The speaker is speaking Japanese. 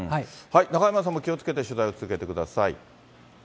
中山さんも気をつけて取材を続けてください。